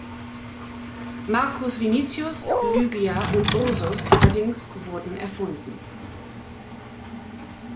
Marcus Vinicius, Lygia und Ursus allerdings wurden erfunden.